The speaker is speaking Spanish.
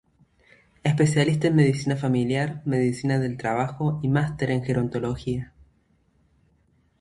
Especialista en Medicina Familiar, Medicina del Trabajo y Máster en gerontología.